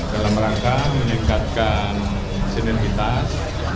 dalam rangka meningkatkan sinergitas